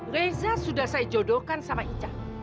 reza sudah saya jodohkan sama ica